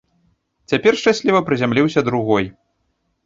Цяпер шчасліва прызямліўся другой.